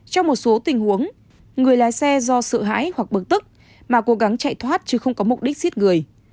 trong một số tình huống người lái xe do sợ hãi hoặc bực tức mà cố gắng chạy thoát chứ không có mục đích giết người